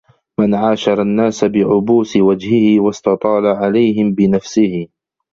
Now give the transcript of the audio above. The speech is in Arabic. مَنْ عَاشَرَ النَّاسَ بِعُبُوسِ وَجْهِهِ وَاسْتَطَالَ عَلَيْهِمْ بِنَفْسِهِ